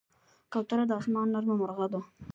کوتره د آسمان نرمه مرغه ده.